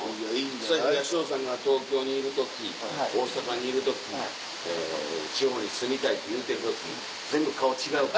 東野さんが東京にいる時大阪にいる時地方に住みたいって言うてる時全部顔違う。